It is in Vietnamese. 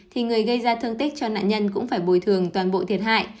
thì người gây ra thương tích cho nạn nhân cũng phải bồi thường toàn bộ thiệt hại